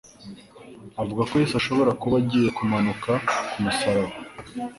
avuga ko Yesu ashobora kuba agiye kumanuka ku musaraba.